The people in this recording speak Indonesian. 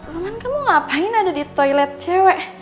roman kamu ngapain ada di toilet cewe